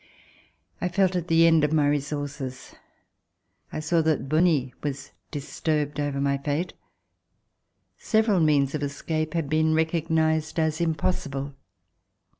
I felt at the end of my resources. T saw that Bonie was disturbed over my fate. Several means of escape had been recognized as impossible.